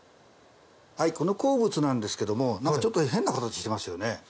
はいこの鉱物なんですけどもちょっと変な形してますよね？